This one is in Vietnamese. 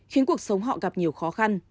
khiến cuộc sống họ gặp nhiều khó khăn